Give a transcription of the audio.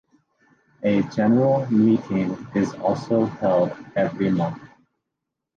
A General Meeting is also held every month.